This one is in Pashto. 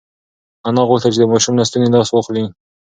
انا غوښتل چې د ماشوم له ستوني لاس واخلي.